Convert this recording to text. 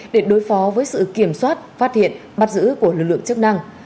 để đối phó với sự kiểm soát phát hiện bắt giữ của lực lượng chức năng